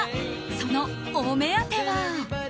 そのお目当ては。